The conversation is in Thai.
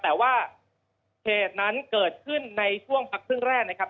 แต่ว่าเหตุนั้นเกิดขึ้นในช่วงพักครึ่งแรกนะครับ